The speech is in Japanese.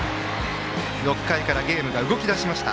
６回からゲームが動き出しました。